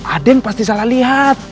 aden pasti salah lihat